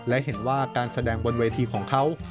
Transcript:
และเห็นว่าการแสดงบนเวทีของเขา